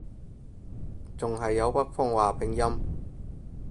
仲係有北方話拼音